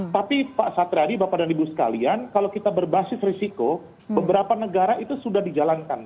tapi pak satriadi bapak dan ibu sekalian kalau kita berbasis risiko beberapa negara itu sudah dijalankan